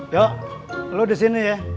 yuk lo di sini ya